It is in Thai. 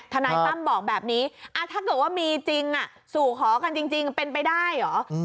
ทนายตั้มบอกแบบนี้ถ้าเกิดว่ามีจริงสู่ขอกันจริงเป็นไปได้เหรอ